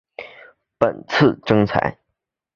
本次征才